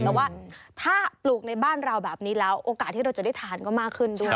แต่ว่าถ้าปลูกในบ้านเราแบบนี้แล้วโอกาสที่เราจะได้ทานก็มากขึ้นด้วย